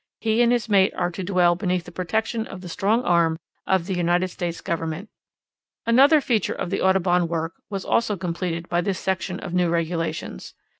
He and his mate are to dwell beneath the protection of the strong arm of the United States Government. Another feature of the Audubon work was also completed by this section of the new regulations.